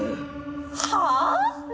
はあ！？